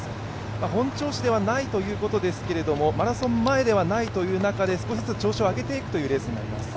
本調子ではないということですけれども、マラソン前ではないという中で少しずつ調子を上げていくレースになります。